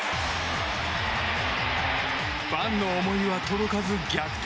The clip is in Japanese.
ファンの思いは届かず逆転